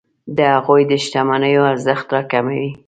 د هغوی د شتمنیو ارزښت راکموي.